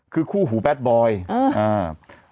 คือคู่หูแบตบอยอ่า